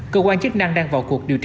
cơ quan chức năng đang vào cuộc điều tra